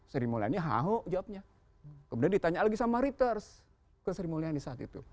sri mulyani haho jawabnya kemudian ditanya lagi sama reuters ke sri mulyani saat itu